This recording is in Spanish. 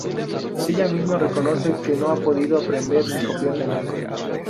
Ella misma reconoce que no ha podido aprender ni copiar de nadie.